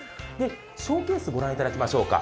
ショーケースをご覧いただきましょうか。